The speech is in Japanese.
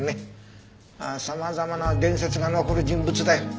様々な伝説が残る人物だよ。